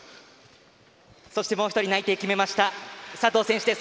そしてもう１人内定を決めました佐藤選手です。